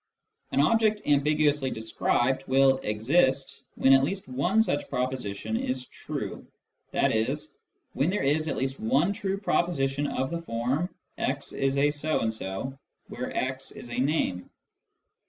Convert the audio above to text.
An object ambiguously described will " exist " when at least one such proposition is true, i.e. when there is at least one true proposition of the form " x is a so and so," where " x " is a name.